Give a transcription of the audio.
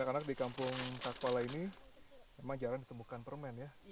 anak anak di kampung takwala ini memang jarang ditemukan permen ya